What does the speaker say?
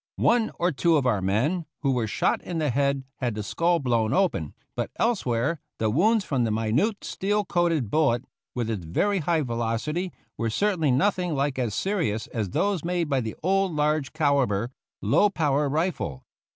One or two of cur men who were shot in the head had the skull blown open, but elsewhere the wounds from the minute steel coated bullet, with its very high velocity, were cer tainly nothing like as serious as those made by the old large calibre, low power rifle.